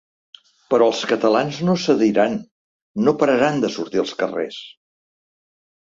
Però els catalans no cediran, no pararan de sortir als carrers.